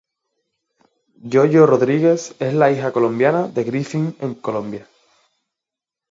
Yo-Yo Rodríguez es la hija colombiana de Griffin en Colombia.